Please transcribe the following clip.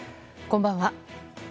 こんばんは。